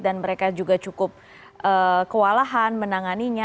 dan mereka juga cukup kewalahan menanganinya